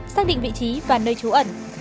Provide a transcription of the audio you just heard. xác định vị trí và nơi trú ẩn